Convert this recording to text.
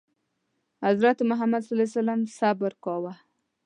حضرت محمد ﷺ صبر کاوه.